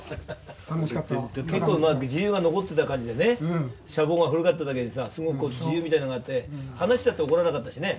結構自由が残ってた感じでね舎房が古かっただけでさすごく自由みたいなのがあって話したって怒らなかったしね。